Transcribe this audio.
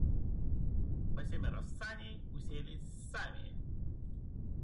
По семеро в сани уселись сами.